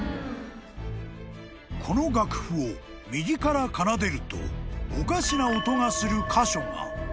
［この楽譜を右から奏でるとおかしな音がする箇所が］